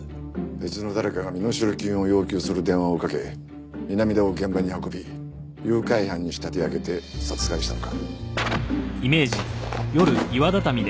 別の誰かが身代金を要求する電話をかけ南田を現場に運び誘拐犯に仕立て上げて殺害したのか。